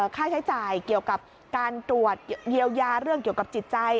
ค่าใช้จ่ายเกี่ยวกับการตรวจเยียวยาเรื่องเกี่ยวกับจิตใจ